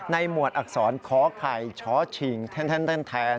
หมวดอักษรขอไข่ช้อชิงแทน